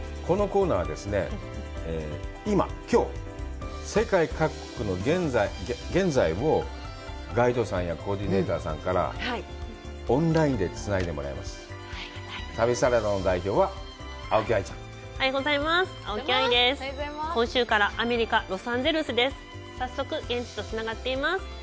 このコーナーはですね、今、きょう、世界各国の現在をガイドさんやコーディネーターさんからオンラインでつないでもらいます。